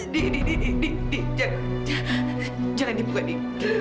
di di di di di jangan jangan jangan dibuka di